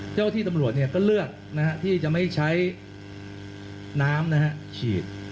เจ้าที่ตำรวจก็เลือกที่จะไม่ใช้น้ำฉีด